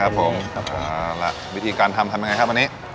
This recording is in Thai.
ครับผมไม่ติดกันเข้ามีครับไหวละอ่ะ